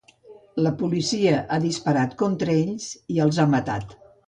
La policia ha disparat contra ells i els ha matat.